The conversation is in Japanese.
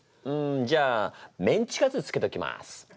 じゃあメンチカツつけときます！